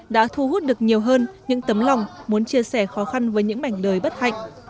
đã thu hút được nhiều hơn những tấm lòng muốn chia sẻ khó khăn với những mảnh đời bất hạnh